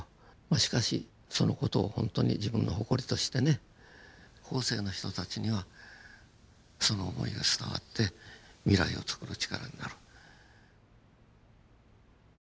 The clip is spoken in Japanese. しかしその事をほんとに自分の誇りとしてね後世の人たちにはその思いが伝わって未来をつくる力になる。